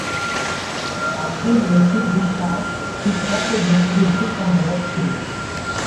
আব্দুর রশীদ বিশ্বাস শিক্ষক ও মুক্তিযুদ্ধের সংগঠক ছিলেন।